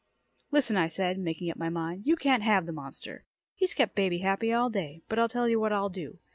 "Listen," I said, making up my mind. "You can't have the monster. He's kept baby happy all day. But I'll tell you what I'll do.